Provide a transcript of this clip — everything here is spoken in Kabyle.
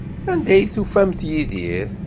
Anda ay tufamt Yidir?